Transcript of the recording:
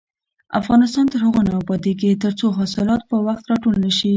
افغانستان تر هغو نه ابادیږي، ترڅو حاصلات په وخت راټول نشي.